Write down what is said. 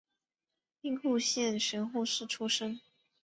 兵库县神户市出身。